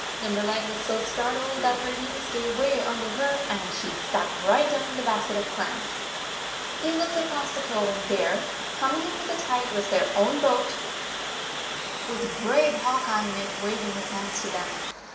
Limberleg was so startled that her knees gave way under her and she sat right down in the basket of clams ! They looked across the cove, and there, coming in with the tide, was their own boat, with brave Hawk Eye in it waving his hand to them.